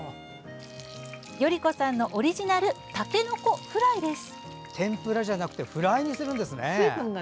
順子さんのオリジナルたけのこフライです。